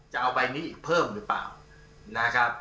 จะเอาใบนี้เพิ่มหรือเปล่านะครับ